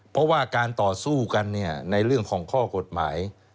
เพราะว่าการต่อสู้กันในเรื่องของข้อกฎหมาย